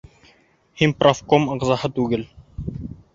Һин профком ағзаһы түгел!